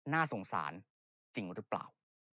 น่าสงสารจริงหรือเปล่า